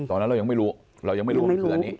ตอนนั้นเรายังไม่รู้เรายังไม่รู้ว่ามันคืออันนี้